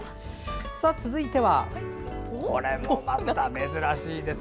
続いては、これもまた珍しいですよ。